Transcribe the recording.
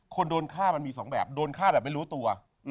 คนโดนฆ่ามันมี๒แบบโดนฆ่าแบบไม่รู้ตัว